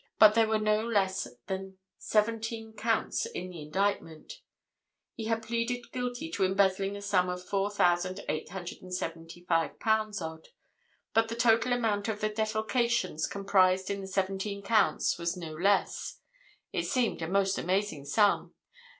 But there were no less than seventeen counts in the indictment. He had pleaded guilty to embezzling a sum of £4,875 odd. But the total amount of the defalcations, comprised in the seventeen counts, was no less—it seemed a most amazing sum!